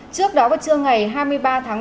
trước đó vào trưa ngày hai mươi ba tháng